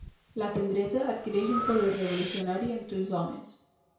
La tendresa adquireix un poder revolucionari entre els homes.